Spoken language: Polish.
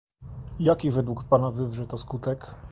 Jaki według pana wywrze to skutek?